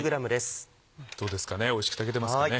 どうですかねおいしく炊けてますかね？